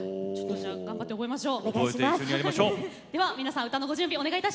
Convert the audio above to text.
頑張って覚えましょう。